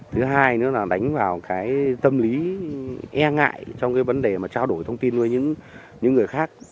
thứ hai nữa là đánh vào cái tâm lý e ngại trong cái vấn đề mà trao đổi thông tin với những người khác